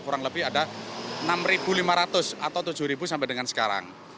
kurang lebih ada enam lima ratus atau tujuh sampai dengan sekarang